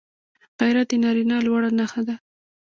غیرت د نارینه لوړه نښه ده